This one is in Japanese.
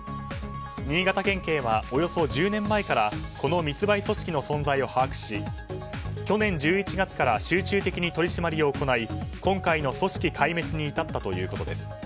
新潟県警はおよそ１０年前からこの密売組織の存在を把握し去年１１月から集中的に取り締まりを行い今回の組織壊滅に至ったということです。